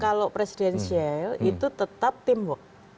kalau presidensial itu tetap teamwork